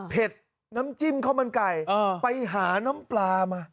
น้ำจิ้มข้าวมันไก่ไปหาน้ำปลามา